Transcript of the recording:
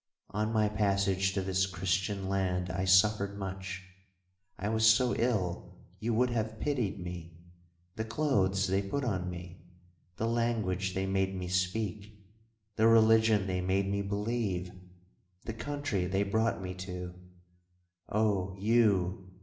On my passage to this Christian land, I suffered much. I was so ill you would have pitied me—the clothes they put on me—the language they made me speak—the religion they made me believe—the country they brought me to—Oh you!